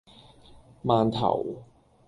饅頭